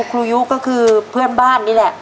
ครูยุก็คือเพื่อนบ้านนี่แหละ